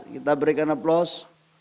kita berikan aplaus